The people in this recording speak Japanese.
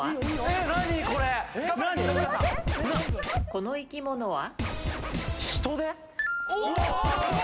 この生き物は？